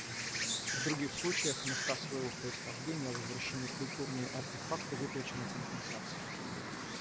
В других случаях в места своего происхождения возвращены культурные артефакты, выплачена компенсация.